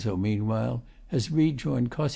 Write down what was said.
meanwhile has rejoined COS.